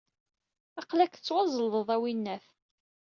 Aql-ak tettwaẓelḍeḍ, a winn-at!